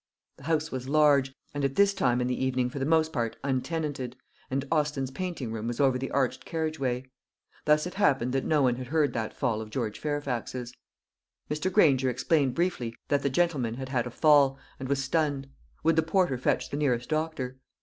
The house was large, and at this time in the evening for the most part untenanted, and Austin's painting room was over the arched carriage way. Thus it happened that no one had heard that fall of George Fairfax's. Mr. Granger explained briefly that the gentleman had had a fall, and was stunned would the porter fetch the nearest doctor?